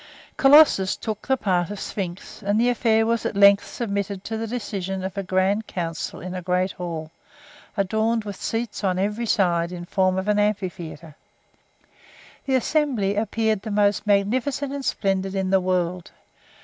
Colossus took the part of Sphinx, and the affair was at length submitted to the decision of a grand council in a great hall, adorned with seats on every side in form of an amphitheatre. The assembly appeared the most magnificent and splendid in the world.